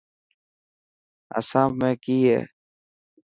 اسام ۾ ڪي هي.